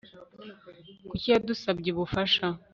Kuki yadusabye ubufasha